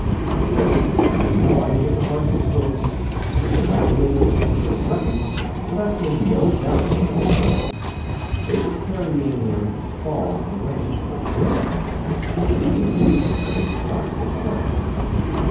The jolts, and the noise of the horses* hoofs, with the rattling of his escorts' weapons, left him no doubt on this sub ject. They were carrying him far away. But where .«^ It would be useless for him to try to discover.